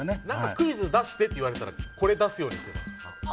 クイズ出してって言われたらこれを出すようにしてます。